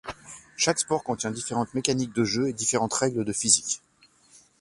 Chaque sport contient différentes mécaniques de jeu et différentes règles de physiques.